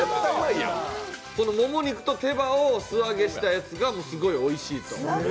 もも肉と手羽を素揚げしたやつがすごいおいしい。